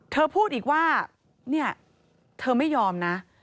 เธอพูดอีกว่าเธอไม่ยอมนะ